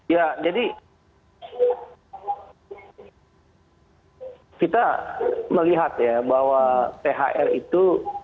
ya jadi kita melihat ya bahwa thr itu